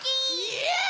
イエーイ！